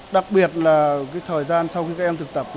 đặc biệt là thời gian sau khi các em thực tập gần như là